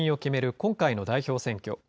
今回の代表選挙。